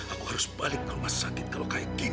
aku harus balik ke rumah sakit kalau kayak gini